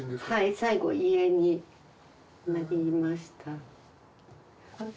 最後遺影になりました。